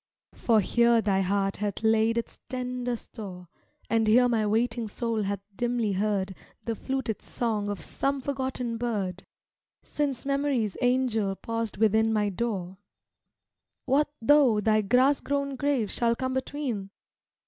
For here thy heart hath laid its tender store And here my waiting soul hath dimly heard The fluted song of some forgotten bird Since Memory's angel paused within my door What though thy grass grown grave shall come between?